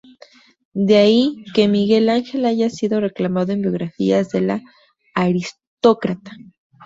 De ahí que Miguel Ángel haya sido reclamado en biografías de la aristócrata.